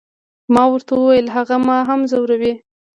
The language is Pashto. ما ورته وویل، هغه ما هم ځوروي.